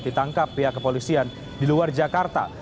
ditangkap pihak kepolisian di luar jakarta